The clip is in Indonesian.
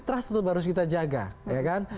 trust tetap harus kita jaga ya kan